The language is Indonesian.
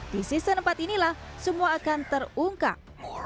di season empat inilah semua akan terungkap